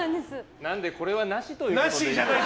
なのでこれはなしということで。